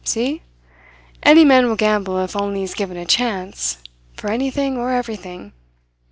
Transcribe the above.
See? Any man will gamble if only he's given a chance, for anything or everything.